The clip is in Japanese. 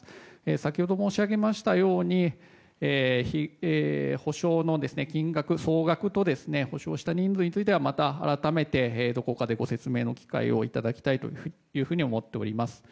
先ほど申し上げましたように補償の金額、総額と補償した人数についてはまた改めてどこかでご説明の機会をいただきたいと思っております。